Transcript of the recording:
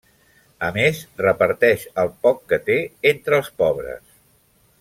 A més, reparteix el poc que té entre els pobres.